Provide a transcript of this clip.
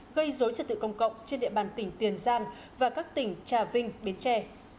gây dối trật tự công cộng trên địa bàn tỉnh tiền giang và các tỉnh trà vinh bến tre